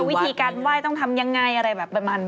วิธีการไหว้ต้องทำยังไงอะไรแบบประมาณ